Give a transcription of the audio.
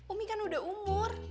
umi kan udah umur